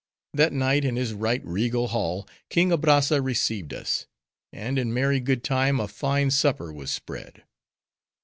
That night, in his right regal hall, King Abrazza received us. And in merry good time a fine supper was spread.